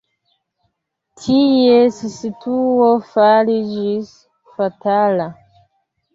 Ties situo fariĝis fatala.